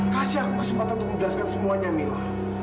kasih aku kesempatan untuk menjelaskan semuanya mila